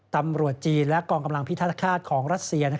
ตำรวจจีนและกองกำลังพิทักฆาตของรัสเซีย